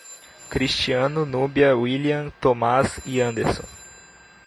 Cristiano, Núbia, William, Tomás e Anderson